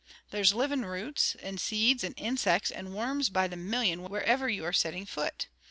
There's living roots, and seeds, and insects, and worms by the million wherever ye are setting foot.